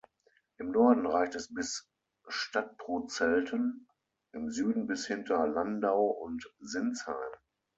Im Norden reicht es bis Stadtprozelten, im Süden bis hinter Landau und Sinsheim.